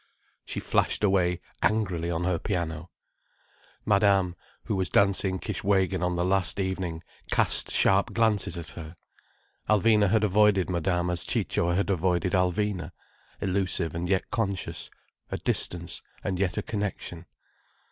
She flashed away angrily on her piano. Madame, who was dancing Kishwégin on the last evening, cast sharp glances at her. Alvina had avoided Madame as Ciccio had avoided Alvina—elusive and yet conscious, a distance, and yet a connection.